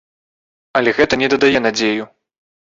Але гэта не дадае надзею.